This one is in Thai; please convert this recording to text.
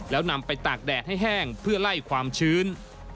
แล้วนำไปตากแดดให้แห้งเพื่อไล่ความชื้น